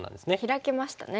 ヒラけましたね。